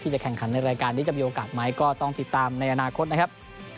จะแข่งขันในรายการนี้จะมีโอกาสไหมก็ต้องติดตามในอนาคตนะครับ